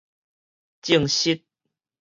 證實